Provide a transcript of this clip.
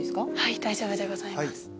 大丈夫でございます。